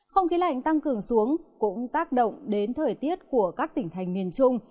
không khí lạnh tăng cường xuống cũng tác động đến thời tiết của các tỉnh thành miền trung